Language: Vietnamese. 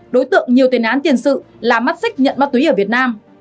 đối tượng nhiều tiền án tiền sự là mắt xích nhận ma túy ở việt nam